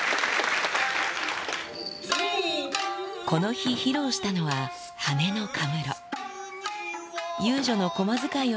この日、披露したのは、羽根の禿。